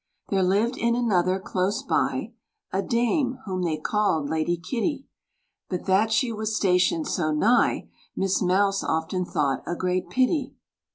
There lived in another close by, A dame, whom they called Lady Kitty; But that she was stationed so nigh, Miss Mouse often thought a great pity.